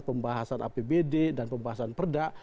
pembahasan apbd dan pembahasan perda